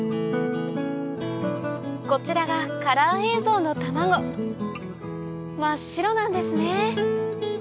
こちらがカラー映像の卵真っ白なんですね